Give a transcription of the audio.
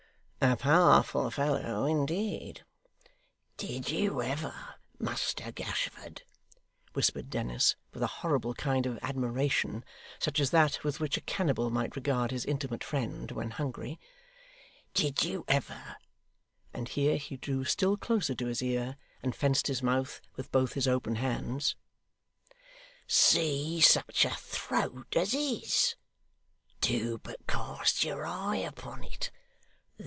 'A powerful fellow indeed!' 'Did you ever, Muster Gashford,' whispered Dennis, with a horrible kind of admiration, such as that with which a cannibal might regard his intimate friend, when hungry, 'did you ever and here he drew still closer to his ear, and fenced his mouth with both his open hands 'see such a throat as his? Do but cast your eye upon it.